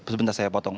sebentar saya potong